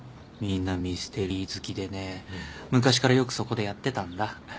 みんなミステリー好きでね昔からよくそこでやってたんだ。